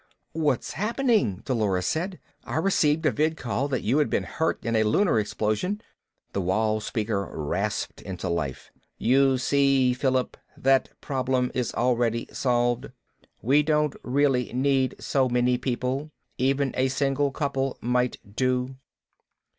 "What's happening?" Dolores said. "I received a vidcall that you had been hurt in a lunar explosion " The wall speaker rasped into life. "You see, Philip, that problem is already solved. We don't really need so many people; even a single couple might do."